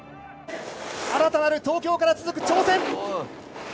新たなる東京から続く挑戦！